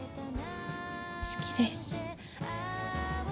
好きです。